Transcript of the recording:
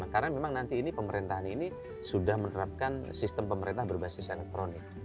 karena memang nanti ini pemerintahan ini sudah menerapkan sistem pemerintah berbasis elektronik